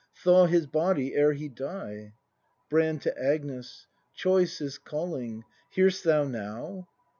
Thaw his body ere he die! Brand. [To Agnes.] Choice is calling ! Hear'st thou now